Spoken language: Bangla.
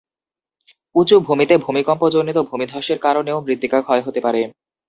উঁচু ভূমিতে ভূমিকম্পজনিত ভূমিধসের কারণেও মৃত্তিকা ক্ষয় হতে পারে।